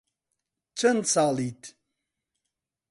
چەند ساڵیت؟